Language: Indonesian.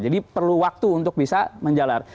jadi perlu waktu untuk bisa menjelar